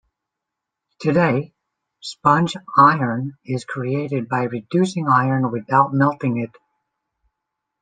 Today, sponge iron is created by reducing iron ore without melting it.